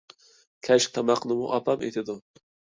كەچلىك تاماقنىمۇ ئاپام ئېتىدۇ.